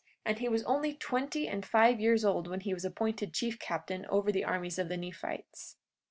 And he was only twenty and five years old when he was appointed chief captain over the armies of the Nephites.